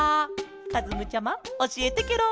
かずむちゃまおしえてケロ！